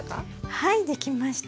はいできました。